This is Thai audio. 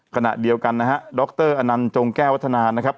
ขณะเดียวกันนะฮะดรอนันต์จงแก้ววัฒนานะครับ